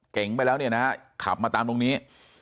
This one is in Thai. ไปแล้วเนี่ยนะฮะขับมาตามตรงนี้